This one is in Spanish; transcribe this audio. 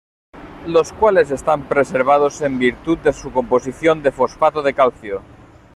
Los cuales están preservados en virtud de su composición de fosfato de calcio.